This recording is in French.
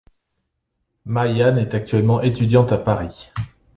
Ma Yan est actuellement étudiante à Paris.